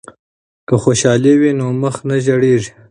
که خوشحالی وي نو مخ نه ژیړیږي.